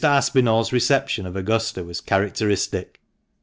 Aspinall's reception of Augusta was characteristic.